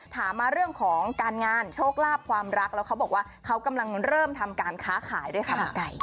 ถามมาเรื่องของการงานโชคลาภความรักแล้วเขาบอกว่าเขากำลังเริ่มทำการค้าขายด้วยค่ะหมอไก่